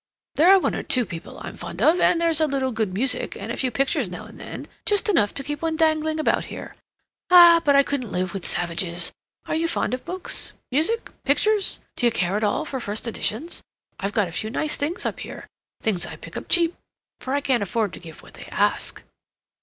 "There are one or two people I'm fond of, and there's a little good music, and a few pictures, now and then—just enough to keep one dangling about here. Ah, but I couldn't live with savages! Are you fond of books? Music? Pictures? D'you care at all for first editions? I've got a few nice things up here, things I pick up cheap, for I can't afford to give what they ask."